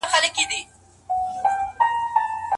ده د باور له لارې اداره کوله.